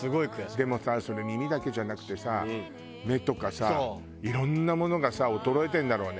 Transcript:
でもさそれ耳だけじゃなくてさ目とかさいろんなものがさ衰えてるんだろうね。